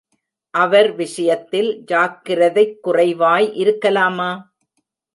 அவர் விஷயத்தில் ஜாக்ரதைக் குறைவாய் இருக்கலாமா?